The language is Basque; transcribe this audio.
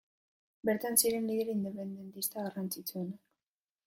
Bertan ziren lider independentista garrantzitsuenak.